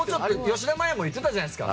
吉田麻也も言ってたじゃないですか。